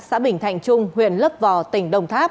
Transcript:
xã bình thạnh trung huyện lớp vò tỉnh đồng tháp